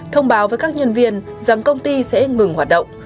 thông báo với các nhân viên rằng công ty sẽ ngừng hoạt động